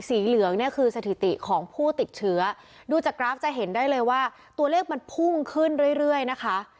เหลืองเนี่ยคือสถิติของผู้ติดเชื้อดูจากกราฟจะเห็นได้เลยว่าตัวเลขมันพุ่งขึ้นเรื่อยเรื่อยนะคะ